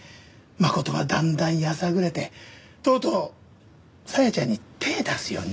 真琴はだんだんやさぐれてとうとう紗矢ちゃんに手出すようになってね。